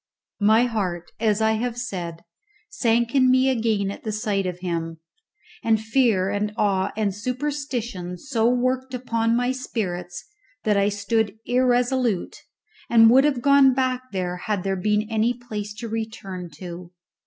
My heart, as I have said, sank in me again at the sight of him, and fear and awe and superstition so worked upon my spirits that I stood irresolute, and would have gone back had there been any place to return to.